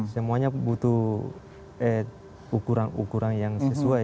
semuanya butuh ukuran ukuran yang sesuai